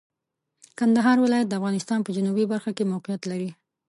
کندهار ولایت د افغانستان په جنوبي برخه کې موقعیت لري.